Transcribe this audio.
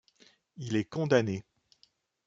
Il est condamné.